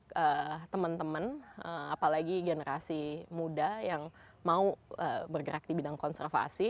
jadi kemudian kita akan menemukan teman teman apalagi generasi muda yang mau bergerak di bidang konservasi